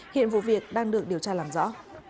hiện vụ việc đang được điều tra làm rõ